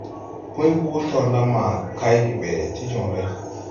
Pũy hoo torla ma kay ge be ti jonre.